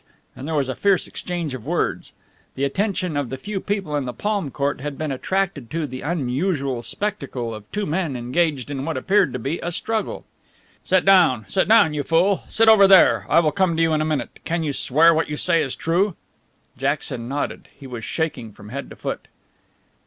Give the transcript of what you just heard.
and there was a fierce exchange of words. The attention of the few people in the palm court had been attracted to the unusual spectacle of two men engaged in what appeared to be a struggle. "Sit down, sit down, you fool! Sit over there. I will come to you in a minute. Can you swear what you say is true?" Jackson nodded. He was shaking from head to foot.